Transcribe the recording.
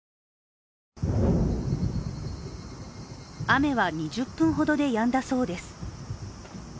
雨は２０分ほどでやんだそうです。